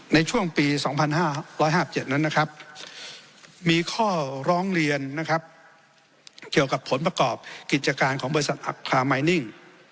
ในช่วงปี๒๕๕๗นั้นนะครับมีข้อร้องเรียนนะครับเกี่ยวกับผลประกอบกิจการของบริษัทอัครามัยนิ่ง